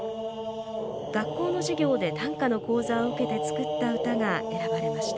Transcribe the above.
学校の授業で短歌の講座を受けて作った歌が選ばれました。